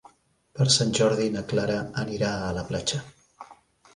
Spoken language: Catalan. Per Sant Jordi na Clara anirà a la platja.